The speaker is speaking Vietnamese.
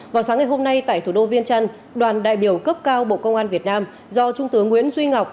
vào sáng ngày hôm nay tại thủ đô viên trăn đoàn đại biểu cấp cao bộ công an việt nam do trung tướng nguyễn duy ngọc